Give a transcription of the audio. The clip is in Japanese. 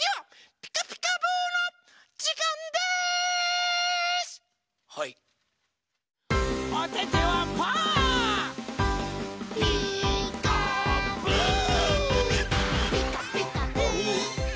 「ピカピカブ！ピカピカブ！」